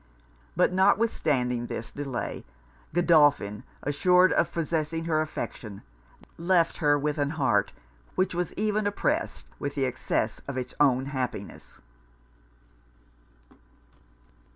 But notwithstanding this delay, Godolphin, assured of possessing her affection, left her with an heart which was even oppressed with the excess of it's own happiness.